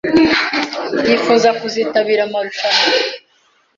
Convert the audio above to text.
Yifuza kuzitabira amarushanwa.